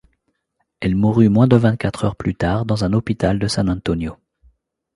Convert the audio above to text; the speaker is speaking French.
Elle mourut moins de vingt-quatre heures plus tard dans un hôpital de San Antonio.